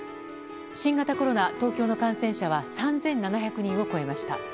新型コロナ、東京の感染者は３７００人を超えました。